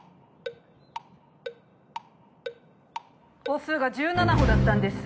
歩数が１７歩だったんです。